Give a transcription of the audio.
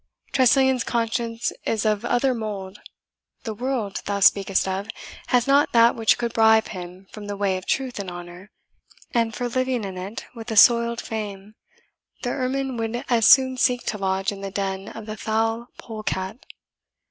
Tressilian's conscience is of other mould the world thou speakest of has not that which could bribe him from the way of truth and honour; and for living in it with a soiled fame, the ermine would as soon seek to lodge in the den of the foul polecat.